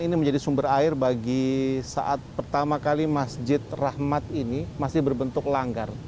ini menjadi sumber air bagi saat pertama kali masjid rahmat ini masih berbentuk langgar